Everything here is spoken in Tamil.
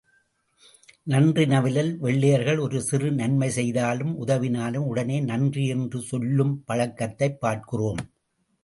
நன்றி நவிலல் வெள்ளையர்கள் ஒரு சிறு நன்மை செய்தாலும் உதவினாலும் உடனே நன்றி என்று சொல்லும் பழக்கத்தைப் பார்க்கிறோம்.